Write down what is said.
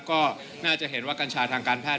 ก็น่าจะเห็นว่ากัญชาทางการแพท